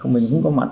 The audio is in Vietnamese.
mình không có mặt